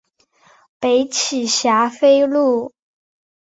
北起霞飞路。